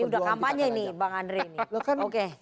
sudah kampanye nih bang andre ini